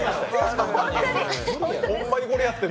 ホンマにこれやってる？